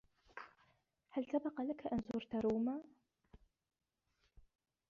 هل سبق لك ان زرت روما ؟